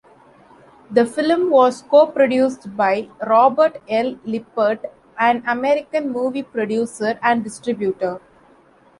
The film was co-produced by Robert L. Lippert, an American movie producer and distributor.